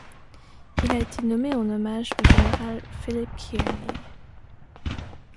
Il a été nommé en hommage au général Philip Kearny.